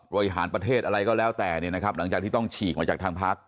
โรยหารประเทศอะไรก็แล้วแต่นี่นะจากที่ต้องฉีกมาจากทางพัก